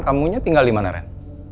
kamunya tinggal di mana ren